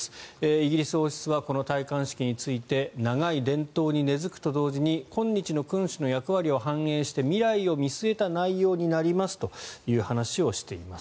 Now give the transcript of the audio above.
イギリス王室はこの戴冠式について長い伝統に根付くと同時に今日の君主の役割を反映して未来を見据えた内容になりますという話をしています。